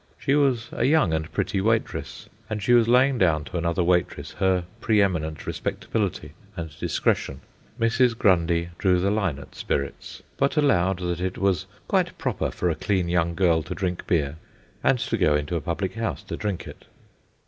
She was a young and pretty waitress, and she was laying down to another waitress her pre eminent respectability and discretion. Mrs. Grundy drew the line at spirits, but allowed that it was quite proper for a clean young girl to drink beer, and to go into a public house to drink it.